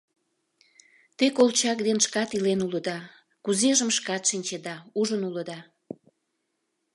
Те Колчак ден шкат илен улыда, кузежым шкат шинчеда: ужын улыда.